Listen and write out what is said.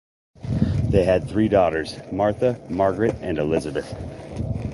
They had three daughters, Martha, Margaret, and Elizabeth.